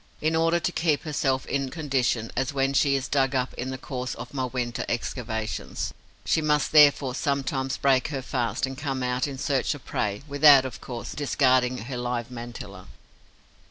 In order to keep herself in condition, as when she is dug up in the course of my winter excavations, she must therefore sometimes break her fast and come out in search of prey, without, of course, discarding her live mantilla.